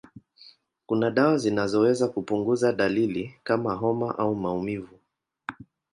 Kuna dawa zinazoweza kupunguza dalili kama homa au maumivu.